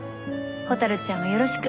蛍ちゃんをよろしく。